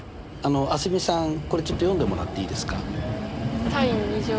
これちょっと読んでもらっていいですか？